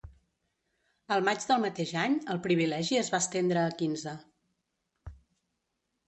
El maig del mateix any, el privilegi es va estendre a quinze.